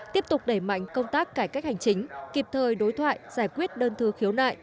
tiếp tục đẩy mạnh công tác cải cách hành chính kịp thời đối thoại giải quyết đơn thư khiếu nại